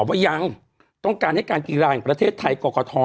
บอกว่ายังต้องการเห้ดการกีฬาอย่างประเทศไทยกรกฎธอ